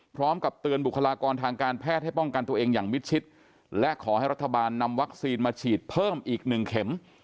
พร้อมกับเตือนบุคลากรทางการแพทย์ให้ป้องกันตัวเองอย่างมิดชิดและขอให้รัฐบาลนำวัคซีนมาฉีดเพิ่มอีกหนึ่งเข็ม